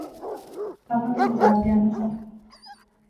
کاکا کل بزار گیا ناں سا